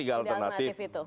tiga alternatif itu